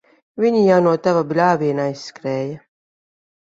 Viņi jau no tava bļāviena aizskrēja.